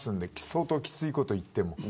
相当きついことを言っても。